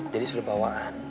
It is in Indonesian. jadi sebelum bawaan